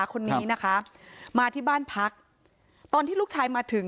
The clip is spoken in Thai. คนนี้นะคะมาที่บ้านพักตอนที่ลูกชายมาถึง